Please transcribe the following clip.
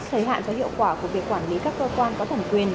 thời hạn và hiệu quả của việc quản lý các cơ quan có thẩm quyền